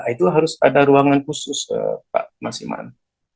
itu harus ada ruangan khusus pak mas iman